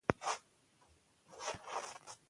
وچه لنده د بازۍ لوری ټاکي.